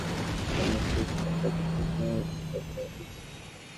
কাজেই পরিস্থিতি নিয়ন্ত্রণে নেওয়ার জন্য যেসব পদক্ষেপ নেওয়া হয়েছে, তাতেও আমরা সন্তুষ্ট।